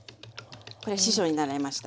これ師匠に習いました。